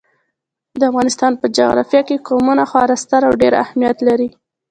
د افغانستان په جغرافیه کې قومونه خورا ستر او ډېر اهمیت لري.